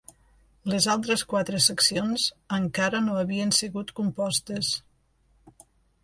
Les altres quatre seccions encara no havien sigut compostes.